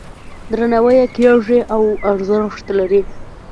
درناوی یې کیږي او ارزښت لري.